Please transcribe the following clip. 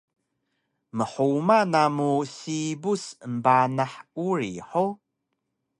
Mhuma namu sibus embanah uri hug?